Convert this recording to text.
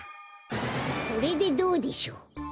これでどうでしょう？